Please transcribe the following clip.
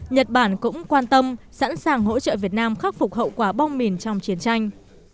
nhật bản cũng quan tâm sẵn sàng hỗ trợ việt nam khắc phục hậu quả bom mìn trong chiến tranh